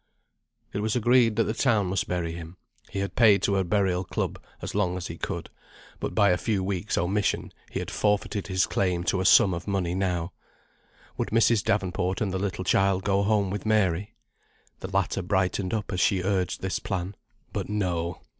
It was agreed that the town must bury him; he had paid to a burial club as long as he could; but by a few weeks' omission, he had forfeited his claim to a sum of money now. Would Mrs. Davenport and the little child go home with Mary? The latter brightened up as she urged this plan; but no!